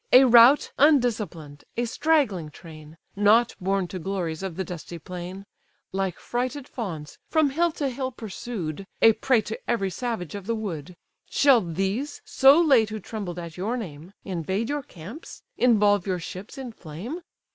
A rout undisciplined, a straggling train, Not born to glories of the dusty plain; Like frighted fawns from hill to hill pursued, A prey to every savage of the wood: Shall these, so late who trembled at your name, Invade your camps, involve your ships in flame?